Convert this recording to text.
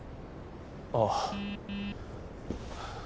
ああ。